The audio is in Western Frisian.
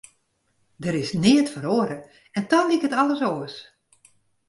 Der is neat feroare en dochs liket alles oars.